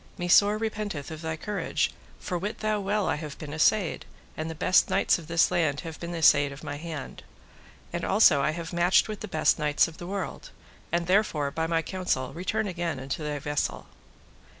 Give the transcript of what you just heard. me sore repenteth of thy courage, for wit thou well I have been assayed, and the best knights of this land have been assayed of my hand; and also I have matched with the best knights of the world, and therefore by my counsel return again unto thy vessel.